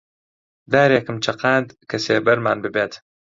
دارێکم چەقاند کە سێبەرمان ببێت